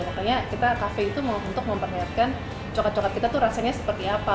makanya kita kafe itu untuk memperlihatkan coklat coklat kita tuh rasanya seperti apa